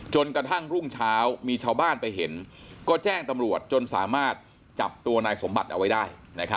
จนกระทั่งรุ่งเช้ามีชาวบ้านไปเห็นก็แจ้งตำรวจจนสามารถจับตัวนายสมบัติเอาไว้ได้